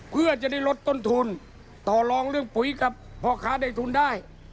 เพื่อจะได้ลดต้นทุนต่อรองเรื่องปุ๋ยกับพ่อค้าได้ทุนได้